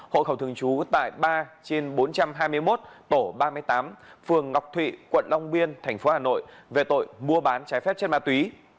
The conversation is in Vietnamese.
hộ khẩu thường trú tại ba trên bốn trăm hai mươi một tổ ba mươi tám phường ngọc thụy quận long biên thành phố hà nội về tội mua bán trái phép chất ma túy